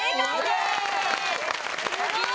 すごい！